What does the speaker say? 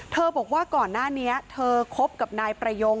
บอกว่าก่อนหน้านี้เธอคบกับนายประยง